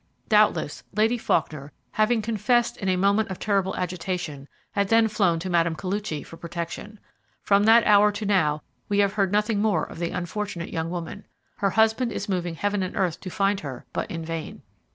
Doubtless, Lady Faulkner, having confessed, in a moment of terrible agitation, had then flown to Mme. Koluchy for protection. From that hour to now we have heard nothing more of the unfortunate young woman. Her husband is moving Heaven and earth to find her, but in vain.